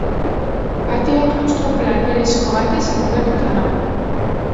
Patio klaustro plateresko batez inguratuta dago.